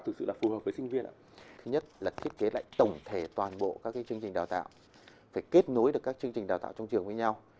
thứ nhất là thiết kế lại tổng thể toàn bộ các chương trình đào tạo phải kết nối được các chương trình đào tạo trong trường với nhau